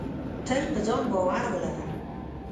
تل په ځان باور ولره.